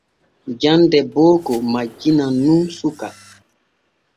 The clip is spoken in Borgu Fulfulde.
Jande booko majjinan nun suka.